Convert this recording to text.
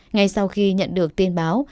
ngay sau khi nhận được tin báo